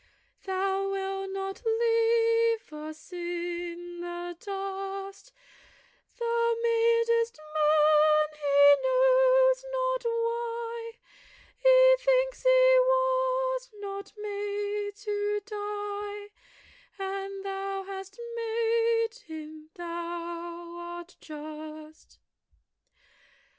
Thou wilt not leave us in the dust: Thou madest man, he knows not why; He thinks he was not made to die; And thou hast made him: thou art just.